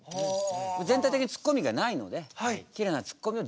全体的にツッコミがないのできれいなツッコミを自分で入れる。